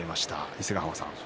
伊勢ヶ濱さん。